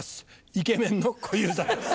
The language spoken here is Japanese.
イケメンの小遊三です。